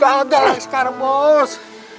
gak ada lagi sekarang bos